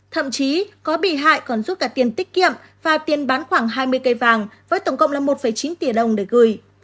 thậm chí có bị hại còn giúp cả tiền tiết kiệm và tiền bán khoảng hai mươi cây vàng với tổng cộng là một chín tỷ đồng để gửi